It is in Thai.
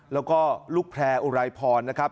แล้วก็ลูกแพร่อุไรพรนะครับ